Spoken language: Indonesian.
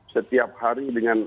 setiap hari dengan